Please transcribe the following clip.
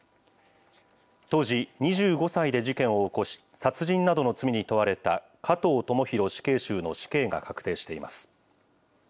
当時２５歳で事件を起こし、殺人などの罪に問われた加藤智大死刑囚の死刑が確定しています。